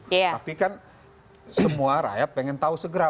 tapi kan semua rakyat pengen tahu segera